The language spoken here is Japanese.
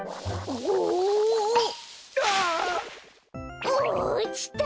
おおちた！